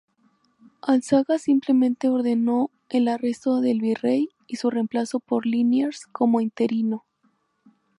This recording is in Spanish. Álzaga simplemente ordenó el arresto del virrey y su reemplazo por Liniers, como interino.